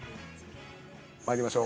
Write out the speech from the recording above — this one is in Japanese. まいりましょう。